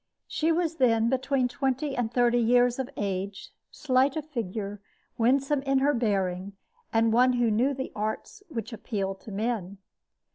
She was then between twenty and thirty years of age, slight of figure, winsome in her bearing, and one who knew the arts which appeal to men.